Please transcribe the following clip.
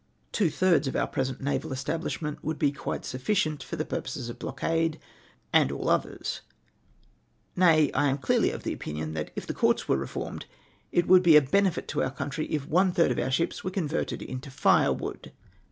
Two thirds of our present naval establishment would be quite sufficient for tlie purposes of blockade, and all others ; na}^, I r :5 •214 MOTION NECiATIVED. am clearly of opinion, that if the courts were reformed, it would be a l)enefit to our country if one third of our ships were converted into tire wood.